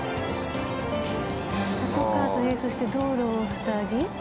「パトカーと並走して道路をふさぎ」。